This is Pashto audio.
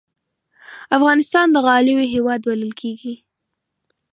افغانستان د غالیو هېواد بلل کېږي.